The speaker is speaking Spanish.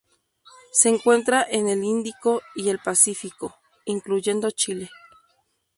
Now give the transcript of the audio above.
Se encuentra en el Índico y el Pacífico, incluyendo Chile.